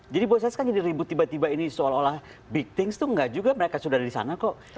jadi buat saya sekarang jadi ribut tiba tiba ini soal olah big things tuh nggak juga mereka sudah ada di sana kok